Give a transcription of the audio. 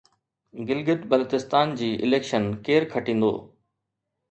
گلگت بلتستان جي اليڪشن ڪير کٽندو؟